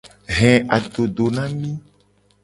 He adodo na mi.